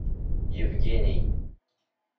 Евгений